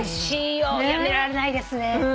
やめられないですね。